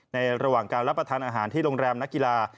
ระหว่างการรับประทานอาหารที่โรงแรมนักกีฬา